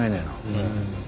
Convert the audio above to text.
うん。